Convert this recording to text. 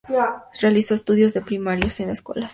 Realizó sus estudios primarios en la escuela St.